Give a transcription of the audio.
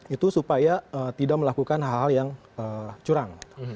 itu supaya tidak melakukan hal hal yang curang